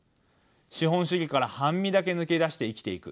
資本主義から半身だけ抜け出して生きていく。